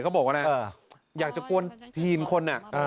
เขาบอกว่าอะไรอยากจะกวนทีมคน